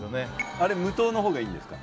あれ無糖の方がいいんですか？